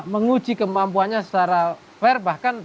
menguji kemampuannya secara fair bahkan